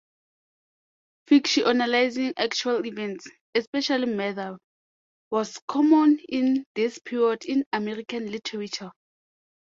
Fictionalizing actual events, especially murder, was common in this period in American literature.